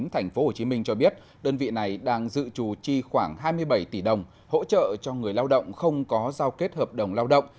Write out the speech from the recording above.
thành phố hồ chí minh cho biết đơn vị này đang dự trù chi khoảng hai mươi bảy tỷ đồng hỗ trợ cho người lao động không có giao kết hợp đồng lao động